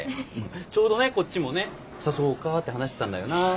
ちょうどねこっちもね誘おうかって話してたんだよな？